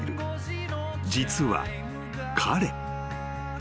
［実は彼］